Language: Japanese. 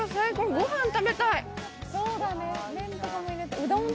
ご飯食べたい。